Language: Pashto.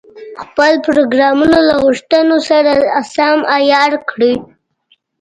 خپل پروګرامونه له غوښتنو سره سم عیار کړي.